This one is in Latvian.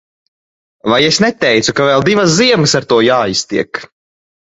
Vai es neteicu, ka vēl divas ziemas ar to jāiztiek.